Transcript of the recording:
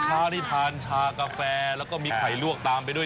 เช้าที่ทานชากาแฟแล้วก็มีไข่ลวกตามไปด้วย